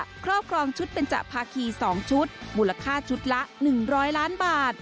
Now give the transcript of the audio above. ครอบครองชุดเบนจภาคี๒ชุดมูลค่าชุดละ๑๐๐ล้านบาท